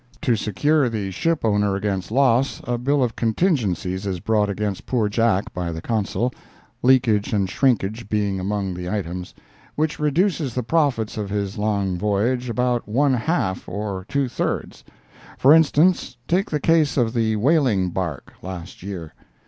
To secure the ship owner against loss, a bill of contingencies is brought against poor Jack by the Consul (leakage and shrinkage being among the items), which reduces the profits of his long voyage about one half or two thirds. For instance, take the case of the whaling bark—last year.